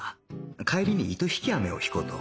帰りに糸引き飴を引こうと